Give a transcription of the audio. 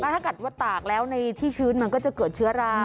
ถ้าเกิดว่าตากแล้วในที่ชื้นมันก็จะเกิดเชื้อรา